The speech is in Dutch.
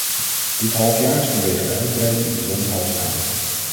Dit halfjaar is vanwege de uitbreiding een bijzonder halfjaar.